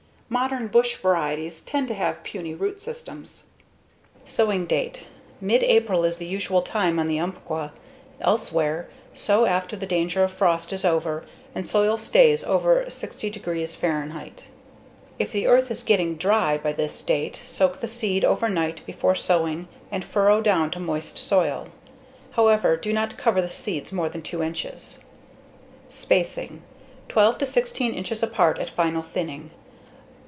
Modern bush varieties tend to have puny root systems. Sowing date: Mid April is the usual time on the Umpqua, elsewhere, sow after the danger of frost is over and soil stays over 60[de]F. If the earth is getting dry by this date, soak the seed overnight before sowing and furrow down to moist soil. However, do not cover the seeds more than 2 inches. Spacing: Twelve to 16 inches apart at final thinning.